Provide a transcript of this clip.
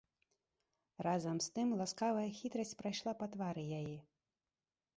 Разам з тым ласкавая хітрасць прайшла па твары яе.